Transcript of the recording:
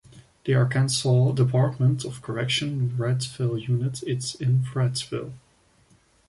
The Arkansas Department of Correction Wrightsville Unit is in Wrightsville.